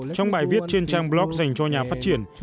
trong bài viết trên trang blog dành cho nhà phát triển